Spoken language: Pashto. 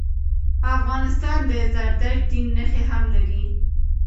افغانستان د زردشت دین نښي هم لري.